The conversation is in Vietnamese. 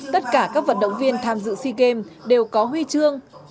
tất cả các vận động viên tham dự sea games đều có huy chương